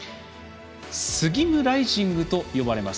スギムライジングと呼ばれます。